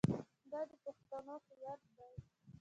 دا د پښتنو هویت دی.